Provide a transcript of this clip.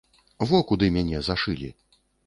Во куды мяне зашылі.